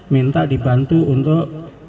minta dibantu untuk